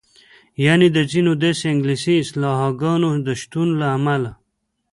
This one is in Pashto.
یعنې د ځینو داسې انګلیسي اصطلاحګانو د شتون له امله.